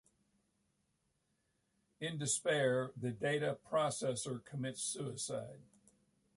In despair, the data processor commits suicide.